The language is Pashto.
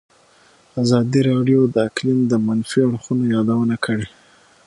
ازادي راډیو د اقلیم د منفي اړخونو یادونه کړې.